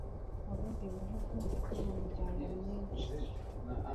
mu bindi bihugu no mu miryango myinshi.